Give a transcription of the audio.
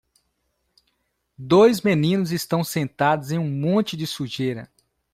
Dois meninos estão sentados em um monte de sujeira.